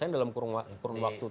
dalam kurun waktu